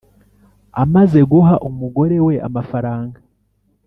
amaze guha umugore we amafaranga